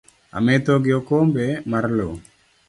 Ametho gi okombe mar loo